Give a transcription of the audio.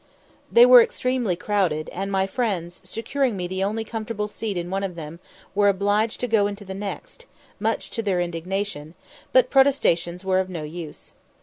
They were extremely crowded, and my friends, securing me the only comfortable seat in one of them, were obliged to go into the next, much to their indignation; but protestations were of no use.